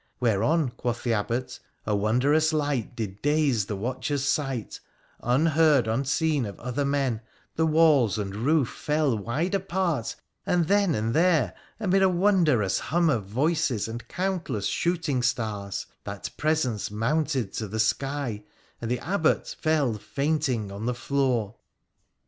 Whereon, quoth the Abbot, a wondrous light did daze the watcher's sight — unheard, unseen of other men, the walls and roof fell wide apart — and then and there, amid a wondrous hum of voices and countless shooting stars, that Presence mounted to the sky, and the Abbot fell fainting on the floor